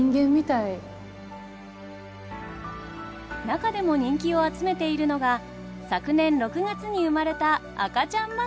中でも人気を集めているのが昨年６月に生まれた赤ちゃんマナティー。